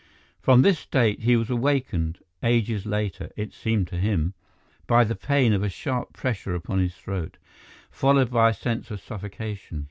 From this state he was awakened—ages later, it seemed to him—by the pain of a sharp pressure upon his throat, followed by a sense of suffocation.